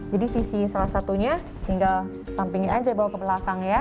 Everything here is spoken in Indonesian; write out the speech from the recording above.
jadi sisi salah satunya tinggal kesamping aja bawa ke belakang ya